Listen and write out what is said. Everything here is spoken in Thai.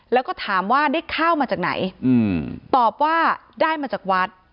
แล้วก็ถามว่าได้ข้าวมาจากไหนตอบว่าได้มาจากวัด